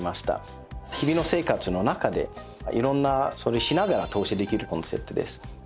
日々の生活の中で色んなしながら投資できるコンセプトです。